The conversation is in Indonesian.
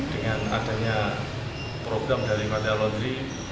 dengan adanya program dari hotel laundry